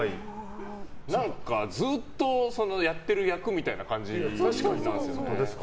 何かずっとやってる役みたいな感じですよね。